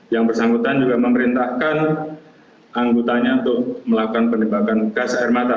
yang bersangkutan juga memerintahkan anggotanya untuk melakukan penembakan gas air mata